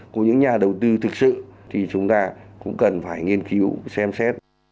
của những nhà đầu tư thực sự thì chúng ta cũng cần phải nghiên cứu xem xét